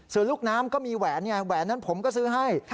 ส่วนลูกน้ำก็มีแหวนไงแหวนนั้นผมก็ซื้อให้